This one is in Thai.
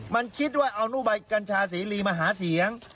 มันคิดว่าเอานุบใบกัญชาเสรีมาหาเสียง